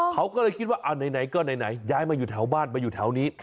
เขาก็เลยคิดว่าไหนก็ไหนย้ายมาอยู่แถวบ้านมาอยู่แถวนี้